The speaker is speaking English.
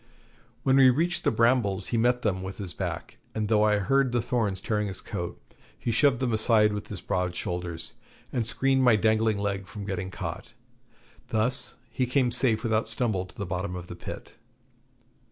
When we reached the brambles he met them with his back, and though I heard the thorns tearing in his coat, he shoved them aside with his broad shoulders, and screened my dangling leg from getting caught. Thus he came safe without stumble to the bottom of the pit.